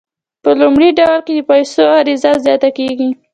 په لومړي ډول کې د پیسو عرضه زیاته کیږي.